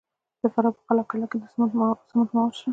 د فراه په قلعه کاه کې د سمنټو مواد شته.